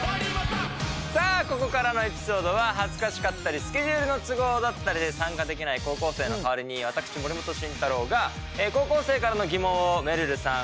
さあここからのエピソードは恥ずかしかったりスケジュールの都合だったりで参加できない高校生の代わりに私森本慎太郎が高校生からの疑問をめるるさん